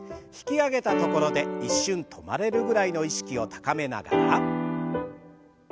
引き上げたところで一瞬止まれるぐらいの意識を高めながら。